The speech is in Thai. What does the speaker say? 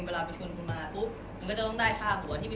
เวลาไปชวนคุณแล้วก็จะต้องได้ค่าหัวแต่ว่าเราไม่